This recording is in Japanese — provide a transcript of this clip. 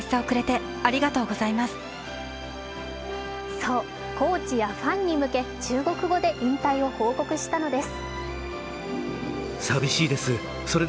そう、コーチやファンに向け中国語で引退を報告したのです。